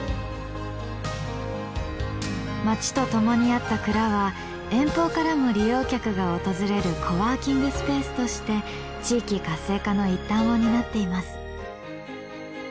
町とともにあった蔵は遠方からも利用客が訪れるコワーキングスペースとして地域活性化の一端を担っています。